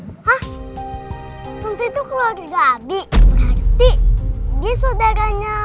hah tante itu keluarga abi berarti dia saudaranya ayah dan nisa